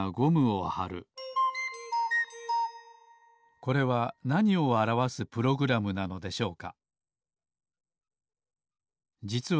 これはなにをあらわすプログラムなのでしょうか？